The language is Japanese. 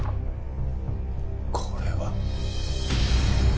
これは。